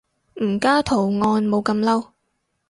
唔加圖案冇咁嬲